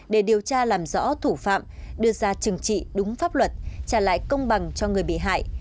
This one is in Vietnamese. để điều tra làm rõ thủ phạm đưa ra chừng trị đúng pháp luật trả lại công bằng cho người bị hại